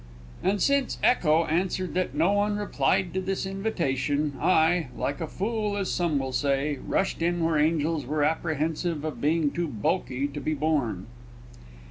And since Echo answered that no one replied to this invitation, I (like a fool, as some will say) rushed in where angels were apprehensive of being too bulky to be borne.